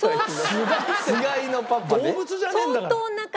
「つがい」って動物じゃねえんだから！